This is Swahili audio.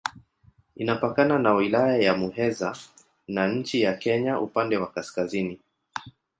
Inapakana na Wilaya ya Muheza na nchi ya Kenya upande wa kaskazini.